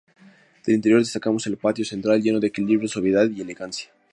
Del interior destacamos el patio central, lleno de equilibrio, sobriedad y elegancia.